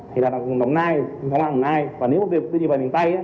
thì là lông an lông an và nếu mà đi về miền tây